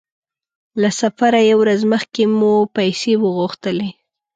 له سفره يوه ورځ مخکې مو پیسې وغوښتلې.